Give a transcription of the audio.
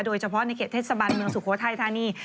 โดยเฉพาะในเขตเทศบาลเมืองสุโขทัยธานี